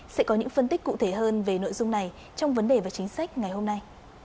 sẽ có những phân tích cụ thể hơn về nội dung này trong vấn đề và chính sách ngày hôm nay